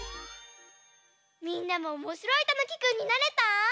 みんなもおもしろいたぬきくんになれた？